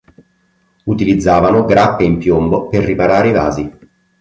Utilizzavano grappe in piombo per riparare i vasi.